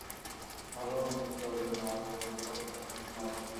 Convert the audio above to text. ভালোভাবে চেক করার জন্য আমাদের অন্তত আরো পাঁচ মিনিট সময় দিন।